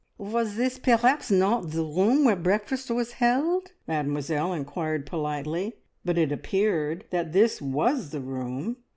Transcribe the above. "Was this perhaps not the room where breakfast was held?" Mademoiselle inquired politely, but it appeared that this was the room.